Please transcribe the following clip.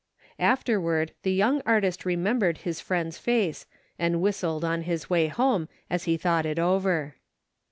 Afterward, the young artist remembered his friend's face, and whistled on his way home as he thought it over.